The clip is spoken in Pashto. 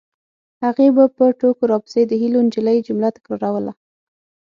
هغې به په ټوکو راپسې د هیلو نجلۍ جمله تکراروله